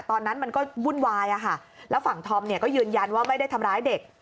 ตอนนั้นมันก็วุ่นวายแล้วฝั่งธอมเนี่ยก็ยืนยันว่าไม่ได้ทำร้ายเด็ก